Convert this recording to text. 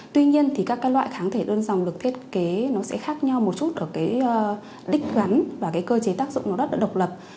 tuy nhiên các loại kháng thể đơn dòng được thiết kế sẽ khác nhau một chút ở đích gắn và cơ chế tác dụng rất độc lập